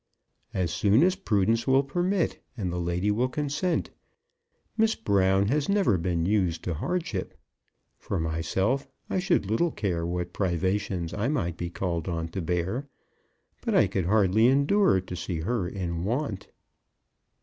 "As soon as prudence will permit and the lady will consent. Miss Brown has never been used to hardship. For myself, I should little care what privations I might be called on to bear, but I could hardly endure to see her in want."